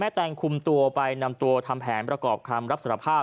แตงคุมตัวไปนำตัวทำแผนประกอบคำรับสารภาพ